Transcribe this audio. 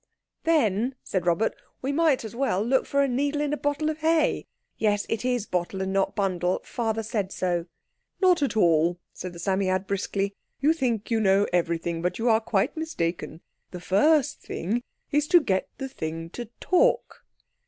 "Then," said Robert, "we might as well look for a needle in a bottle of hay. Yes—it is bottle, and not bundle, Father said so." "Not at all," said the Psammead briskly , "you think you know everything, but you are quite mistaken. The first thing is to get the thing to talk."